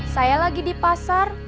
saya lagi di pasar